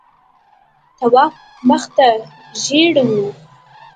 تواب مخ تک ژېړ و.